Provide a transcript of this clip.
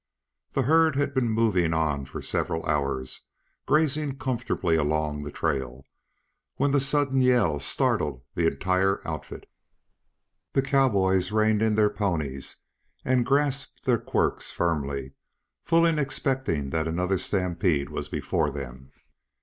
The herd had been moving on for several hours, grazing comfortably along the trail, when the sudden yell startled the entire outfit. The cowboys reined in their ponies and grasped their quirts firmly, fully expecting that another stampede was before them.